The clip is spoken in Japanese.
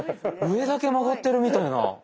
上だけ曲がってるみたいな。